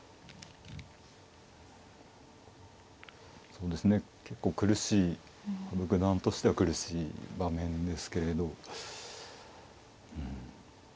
そうですね結構苦しい羽生九段としては苦しい場面ですけれどうん。